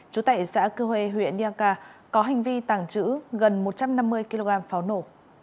trú tại xã cư huê huyện niaca có hành vi tàng trữ gần một trăm năm mươi kg pháo nổ